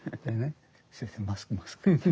先生マスクマスク。